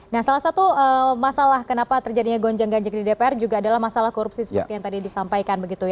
nah salah satu masalah kenapa terjadinya gonjang ganjeng di dpr juga adalah masalah korupsi seperti yang tadi disampaikan